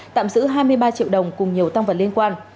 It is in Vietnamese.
tạm giữ hai mươi ba triệu đồng cùng nhiều tăng vật liên quan